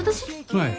はい。